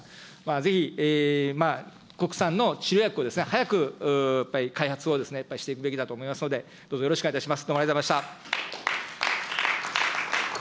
ぜひ国産の治療薬を早くやっぱり開発をしていくべきだと思いますので、どうぞよろしくお願いいたします。